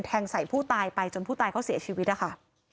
ใส่ผู้ตายไปจนผู้ตายเขาเสียชีวิตนะคะ